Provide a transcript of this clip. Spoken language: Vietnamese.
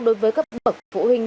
đối với các vực phụ huynh